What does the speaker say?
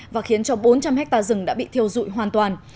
và khiến cho bốn trăm linh hectare rừng đã bị thiêu dụi hoàn toàn